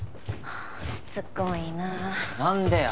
しつこいなあ何でや？